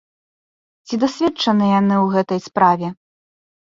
Ці дасведчаныя яны ў гэтай справе?